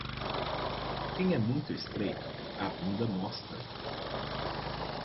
Quem é muito estreito, a bunda mostra.